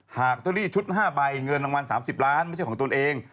เตอรี่ชุด๕ใบเงินรางวัล๓๐ล้านไม่ใช่ของตนเอง